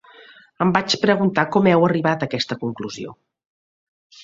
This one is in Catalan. Em vaig preguntar com heu arribat a aquesta conclusió.